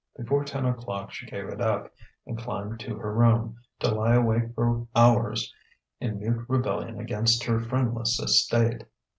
Before ten o'clock she gave it up, and climbed to her room, to lie awake for hours in mute rebellion against her friendless estate.